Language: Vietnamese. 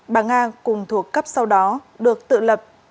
bà nga cùng thuộc cấp sau đó được tự lập